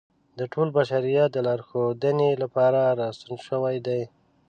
د ټول بشریت د لارښودنې لپاره را استول شوی دی.